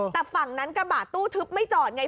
แต่ฝั่งนั้นกระบะตู้ทึบไม่จอดไง